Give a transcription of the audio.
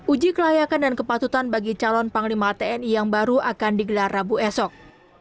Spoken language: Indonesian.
uji kelayakan dan kepatutan bagi calon panglima tni yang baru akan digelar rabu esok